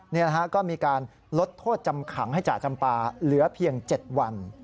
นี่นะฮะก็มีการลดโทษจำขังให้จ่าจำปาเหลือเพียง๗วัน